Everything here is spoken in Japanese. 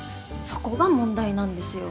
そこが問題なんですよ。